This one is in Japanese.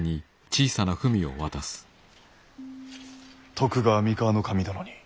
徳川三河守殿に。